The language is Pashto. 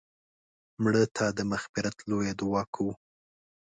مړه ته د مغفرت لویه دعا کوو